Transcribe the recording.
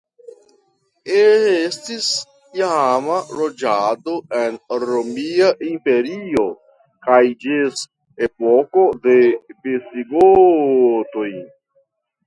Estis iama loĝado en Romia Imperio kaj ĝis epoko de visigotoj.